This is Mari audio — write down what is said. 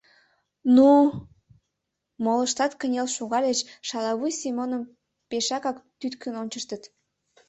— Ну?! — молыштат кынел шогальыч, шалавуй Семоным пешакак тӱткын ончыштыт.